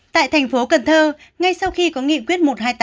tại thành phố cần thơ ngay sau khi có nghị quyết một trăm hai mươi tám